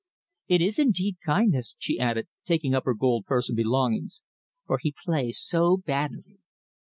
It is indeed kindness," she added, taking up her gold purse and belongings, "for he plays so badly."